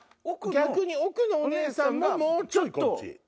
逆に奥のお姉さんももうちょっとこっち。